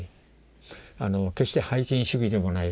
決して拝金主義でもない。